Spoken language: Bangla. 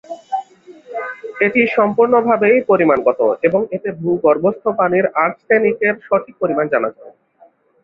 এটি সম্পূর্ণভাবেই পরিমাণগত এবং এতে ভূগর্ভস্থ পানিতে আর্সেনিকের সঠিক পরিমাণ জানা যায়।